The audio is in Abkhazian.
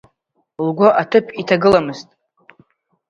Лгәы аҭыԥ иҭагыломызт.